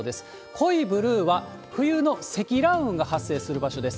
濃いブルーは、冬の積乱雲が発生する場所です。